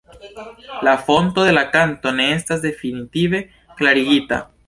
La fonto de la kanto ne estas definitive klarigita.